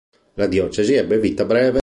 La diocesi ebbe vita breve.